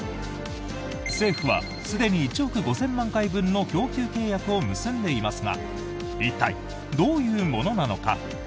政府はすでに１億５０００万回分の供給契約を結んでいますが一体どういうものなのか？